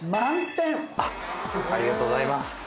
ありがとうございます。